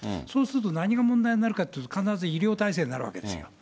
そうすると何が問題になるかというと、必ず、医療体制になるわけですよ。